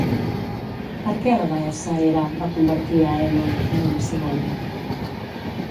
Per què la deessa Hera va convertir a Ènoe en una cigonya?